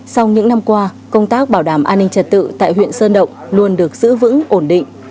sau những năm qua công tác bảo đảm an ninh trật tự tại huyện sơn động luôn được giữ vững ổn định